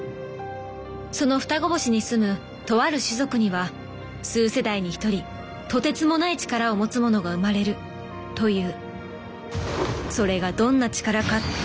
その双子星に住むとある種族には数世代にひとりとてつもない力を持つものが生まれるという。